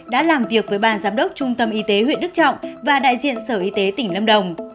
đã làm việc với ban giám đốc trung tâm y tế huyện đức trọng và đại diện sở y tế tỉnh lâm đồng